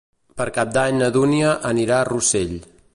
Per Cap d'Any na Dúnia anirà a Rossell.